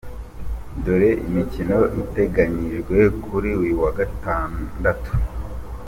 Dore imikino iteganyijwe kuri uyu wa Gatandatu:.